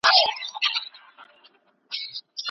د پوهې لاسته راوړنه له نقل څخه سخته وي.